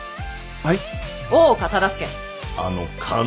はい。